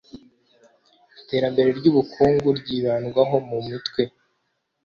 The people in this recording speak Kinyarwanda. Iterambere ry’ubukungu ryibandwaho mu mutwe